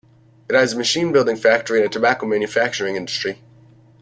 It has a machine-building factory and a tobacco manufacturing industry.